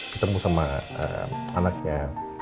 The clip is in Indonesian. ketemu sama anaknya